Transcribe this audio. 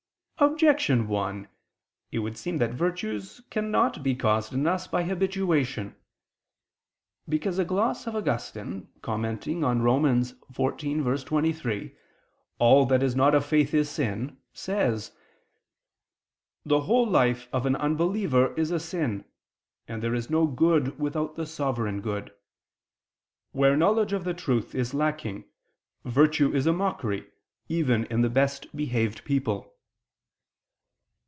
Objection 1: It would seem that virtues can not be caused in us by habituation. Because a gloss of Augustine [*Cf. Lib. Sentent. Prosperi cvi.] commenting on Rom. 14:23, "All that is not of faith is sin," says: "The whole life of an unbeliever is a sin: and there is no good without the Sovereign Good. Where knowledge of the truth is lacking, virtue is a mockery even in the best behaved people."